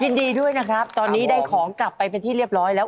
ยินดีด้วยนะครับตอนนี้ได้ของกลับไปเป็นที่เรียบร้อยแล้ว